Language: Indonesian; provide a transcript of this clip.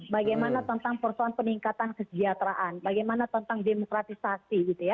bagaimana tentang persoalan peningkatan kesejahteraan bagaimana tentang demokratisasi